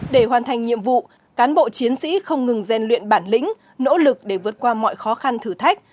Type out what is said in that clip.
để hoàn thành nhiệm vụ cán bộ chiến sĩ không ngừng rèn luyện bản lĩnh nỗ lực để vượt qua mọi khó khăn thử thách